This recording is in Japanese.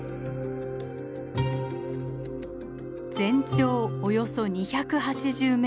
全長およそ２８０ｍ。